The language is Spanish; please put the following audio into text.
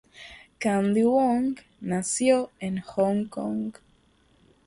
Kandy Wong nació en Hong Kong.